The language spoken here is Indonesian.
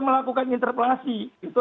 melakukan interpelasi itu